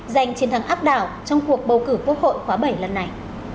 giành chiến thắng áp đảo trong cuộc bầu cử quốc hội khóa bảy lần này